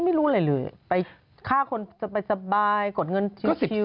ไม่รู้อะไรเลยไปฆ่าคนสบายกดเงินชิว